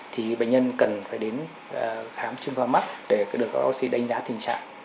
thì bệnh nhân cần phải đến khám chuyên khoa mắt để được các bác sĩ đánh giá tình trạng